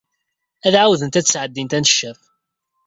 Ad ɛawdent ad d-sɛeddint aneccaf.